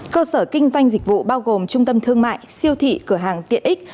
cơ sở kinh doanh dịch vụ bao gồm trung tâm thương mại siêu thị cửa hàng tiện ích